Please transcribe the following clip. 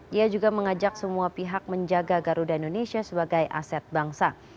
dia juga mengajak semua pihak menjaga garuda indonesia sebagai aset bangsa